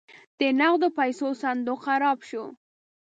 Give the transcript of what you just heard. د نغدو پیسو صندوق خراب شو.